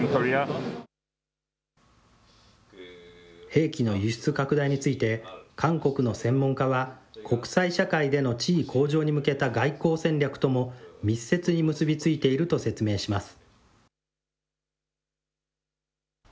兵器の輸出拡大について、韓国の専門家は、国際社会での地位向上に向けた外交戦略とも密接に結び付いていると説明します。